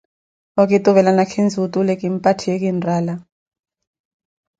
okituvela nakhinzi otule, kimpatthiye kinrala.